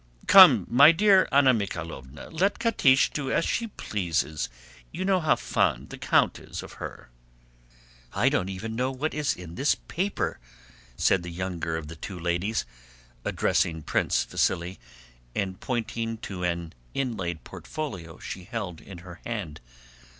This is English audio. "Come, my dear Anna Mikháylovna, let Catiche do as she pleases. You know how fond the count is of her." "I don't even know what is in this paper," said the younger of the two ladies, addressing Prince Vasíli and pointing to an inlaid portfolio she held in her hand.